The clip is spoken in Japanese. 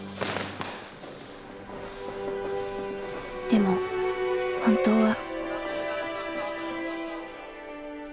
でも本当は。